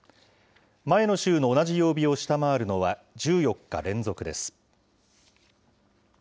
前の週の同じ曜日を下回るのは１４日連続です。